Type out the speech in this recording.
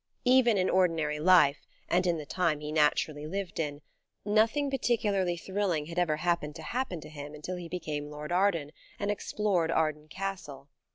Even in ordinary life, and in the time he naturally lived in, nothing particularly thrilling had ever happened to happen to him until he became Lord Arden and explored Arden Castle.